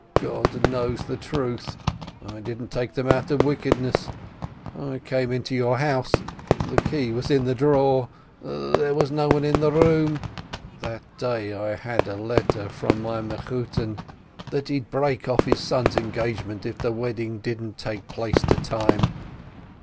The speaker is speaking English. ... God knows the truth, I didn't take them out of wickedness. I came into your house, the key was in the drawer ... there was no one in the room ... That day I'd had a letter from my Mechutton that he'd break off his son's engagement if the wedding didn't take place to time.